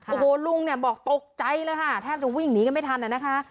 โอ้โหลุงบอกตกใจเลยค่ะแทบจะวิ่งนี้ก็ไม่ทันเลยนะคะ